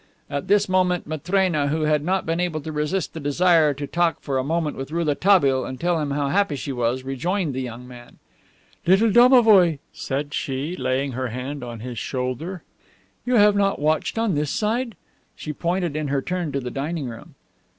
At this moment Matrena, who had not been able to resist the desire to talk for a moment with Rouletabille and tell him how happy she was, rejoined the young man. "Little domovoi," said she, laying her hand on his shoulder, "you have not watched on this side?" She pointed in her turn to the dining room.